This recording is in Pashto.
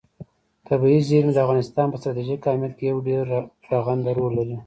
طبیعي زیرمې د افغانستان په ستراتیژیک اهمیت کې یو ډېر رغنده رول لري.